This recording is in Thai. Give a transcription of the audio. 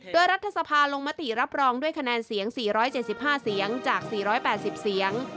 โดยรัฐสภาลงมติรับรองด้วยคะแนนเสียง๔๗๕เสียงจาก๔๘๐เสียง